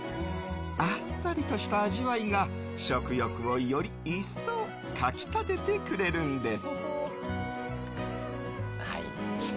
あっさりとした味わいが食欲をより一層かき立ててくれるんです。